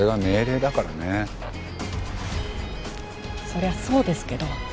そりゃそうですけど。